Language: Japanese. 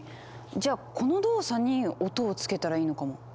じゃあこの動作に音をつけたらいいのかも。